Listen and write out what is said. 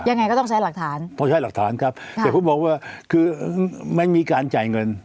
ยังไงก็ต้องใช้หลักฐานต้องใช้หลักฐานครับแต่ผมบอกว่าคือไม่มีการจ่ายเงิน